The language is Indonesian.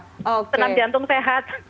senam jantung sehat